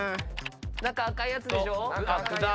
中赤いやつでしょ。